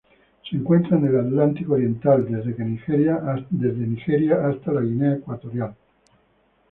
Se encuentra en el Atlántico oriental: desde Nigeria hasta la Guinea Ecuatorial.